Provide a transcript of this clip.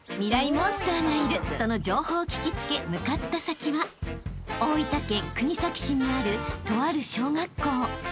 モンスターがいるとの情報を聞き付け向かった先は大分県国東市にあるとある小学校］